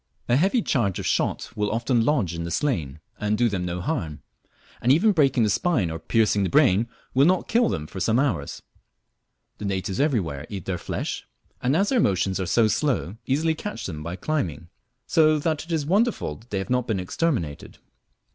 A heavy charge of shot will often lodge in the slain and do them no harm, and even breaking the spine or piercing the brain will not kill them for some hours. The natives everywhere eat their flesh, and as their motions are so slow, easily catch them by climbing; so that it is wonderful they have not been exterminated.